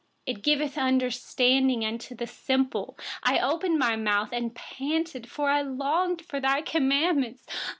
It gives understanding to the simple. 131I opened my mouth wide and panted, for I longed for your commandments.